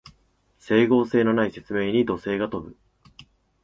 整合性のない説明に怒声が飛ぶ